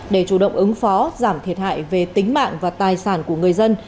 để chủ động ứng phó giảm thiệt hại về tính mạng và tài sản của người dân